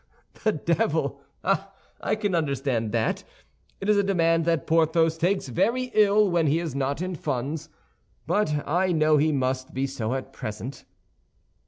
"The devil! Ah, I can understand that. It is a demand that Porthos takes very ill when he is not in funds; but I know he must be so at present."